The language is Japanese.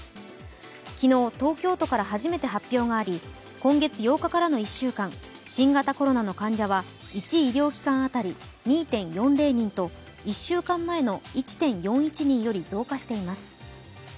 昨日東京都から初めて発表があり今月８日からの１週間、新型コロナの患者は１医療機関当たり２．４０人と１週間前の１．４１人より増加しています。